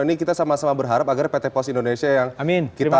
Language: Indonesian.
ini kita sama sama berharap agar pt pos indonesia yang kita